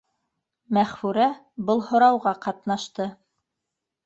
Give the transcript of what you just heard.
Мәғфүрә был һорауға ҡатнашты.